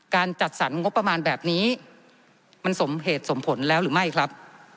จัดสรรงบประมาณแบบนี้มันสมเหตุสมผลแล้วหรือไม่ครับ